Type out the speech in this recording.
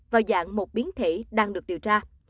vào dạng một biến thể đang được điều tra